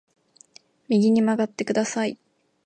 右に曲がってください